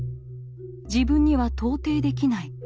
自分には到底できない。